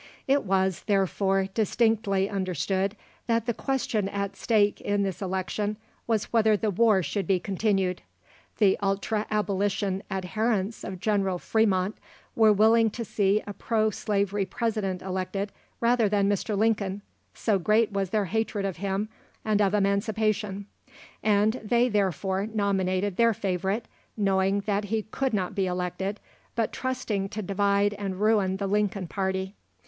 It was, therefore, distinctly understood that the question at stake in this election was, whether the war should be continued. The ultra Abolition adherents of General Fremont were willing to see a pro slavery President elected rather than Mr. Lincoln, so great was their hatred of him and of Emancipation, and they therefore nominated their favourite, knowing that he could not be elected, but trusting to divide and ruin the Lincoln party.